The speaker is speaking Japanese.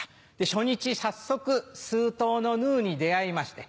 初日早速数頭のヌーに出合いまして